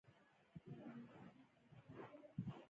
سمبولیزم په دې ماناچي یو ډول اشاره پکښې وي.